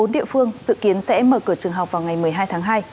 một mươi bốn địa phương dự kiến sẽ mở cửa trường học vào ngày một mươi hai tháng hai